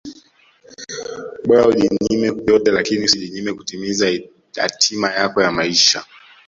Bora ujinyime vyote lakini usijinyime kutimiza hatima yako ya maisha